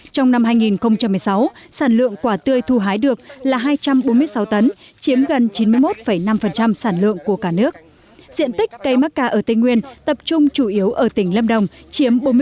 trong năm hai nghìn một mươi sáu sản lượng quả tươi thu hái được là hai trăm bốn mươi sáu tấn chiếm gần chín mươi một năm sản lượng của cả nước